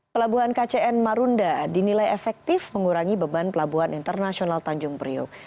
pelabuhan kcn marunda dinilai efektif mengurangi beban pelabuhan internasional tanjung priuk